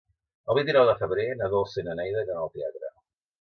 El vint-i-nou de febrer na Dolça i na Neida iran al teatre.